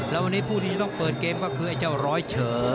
แล้ววันนี้ผู้ที่จะต้องเปิดเกมก็คือไอ้เจ้าร้อยเฉอ